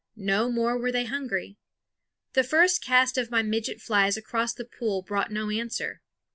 No more were they hungry. The first cast of my midget flies across the pool brought no answer.